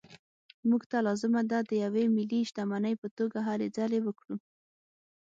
موږ ته لازمه ده د یوې ملي شتمنۍ په توګه هلې ځلې وکړو.